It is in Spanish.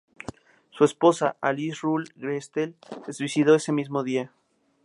Su esposa, Alice Rühle-Gerstel, se suicidó ese mismo día.